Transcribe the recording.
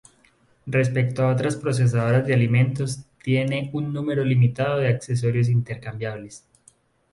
Respecto a otras procesadoras de alimentos, tiene un número limitado de accesorios intercambiables.